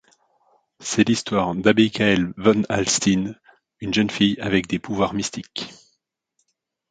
C'est histoire d'Abigail van Alstine une jeune fille avec des pouvoirs mystiques.